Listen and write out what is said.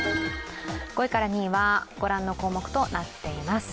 ５位から２位はご覧の項目となっています。